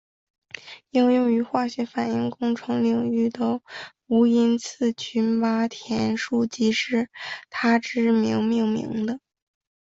应用于化学反应工程领域的无因次群八田数即是以他之名命名的。